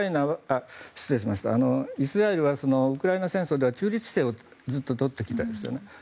イスラエルはウクライナ戦争では中立姿勢をずっととってきたんですよね。